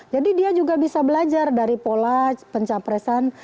jadi dia juga bisa belajar dari pola pencapresan